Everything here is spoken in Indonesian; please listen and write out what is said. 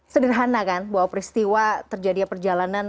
sederhana kan bahwa peristiwa terjadinya perjalanan